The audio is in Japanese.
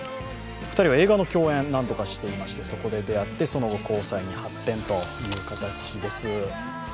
お二人は映画の共演を何度かしていまして、そこで出会って、その後交際に発展という形です。